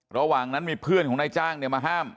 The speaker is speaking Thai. ระหว่างนั้นมีเพื่อนของนายจ้างมาห้าม